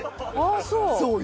ああそう。